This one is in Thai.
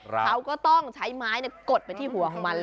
เขาก็ต้องใช้ไม้กดไปที่หัวของมัน